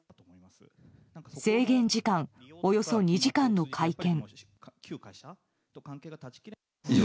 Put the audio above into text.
制限時間およそ２時間の会見。